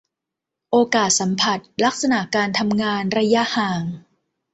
โอกาสสัมผัส ลักษณะการทำงาน ระยะห่าง